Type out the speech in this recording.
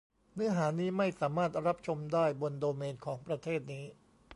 เนื้อหานี้ไม่สามารถรับชมได้บนโดเมนของประเทศนี้